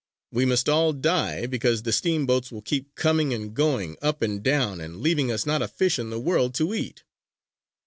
"We must all die, because the steamboats will keep coming and going, up and down, and leaving us not a fish in the world to eat!"